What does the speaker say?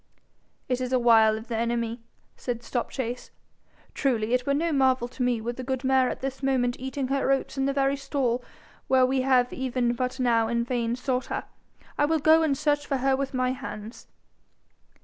'It is a wile of the enemy,' said Stopchase. 'Truly, it were no marvel to me were the good mare at this moment eating her oats in the very stall where we have even but now in vain sought her. I will go and search for her with my hands.'